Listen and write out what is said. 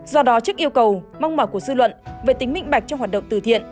do đó chức yêu cầu mong mở cuộc sư luận về tính mịnh bạch trong hoạt động từ thiện